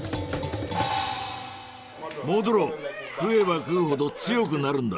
モドゥロー食えば食うほど強くなるんだ。